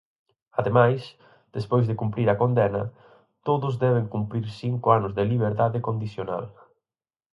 Ademais, despois de cumprir a condena, todos deben cumprir cinco anos de liberdade condicional.